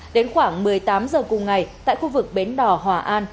đến khoảng một mươi tám giờ cùng ngày tại khu vực bến đỏ hòa an